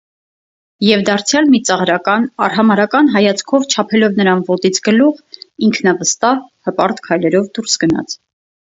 Եվ դարձյալ մի ծաղրական-արհամարհական հայացքով չափելով նրան ոտից ցգլուխ, ինքնավստահ, հպարտ քայլերով դուրս գնաց: